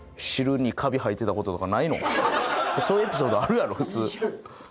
そういうエピソードあるやろ普通。